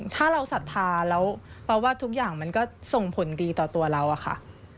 ถ้าเราศรัทธาแล้วเพราะว่าทุกอย่างมันก็ส่งผลดีต่อตัวเราอะค่ะ